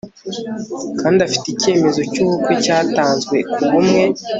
kandi afite icyemezo cyubukwe cyatanzwe kubumwe